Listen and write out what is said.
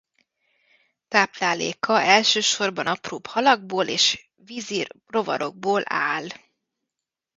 Tápláléka elsősorban apróbb halakból és vízi rovarokból áll.